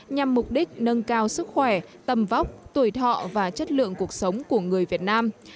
nhằm mục đích nâng cao sức khỏe tâm vóc tuổi thọ và chất lượng cuộc sống của người việt nam